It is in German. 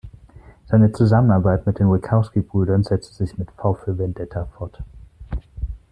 Seine Zusammenarbeit mit den Wachowski-Brüdern setzte sich mit "V für Vendetta" fort.